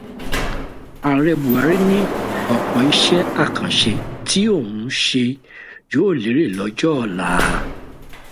Ààrẹ Bùhárí ní ọ̀pọ̀ iṣẹ́ àkànṣe tí òun ṣe yóò lérè lọ́jọ́ ọ̀la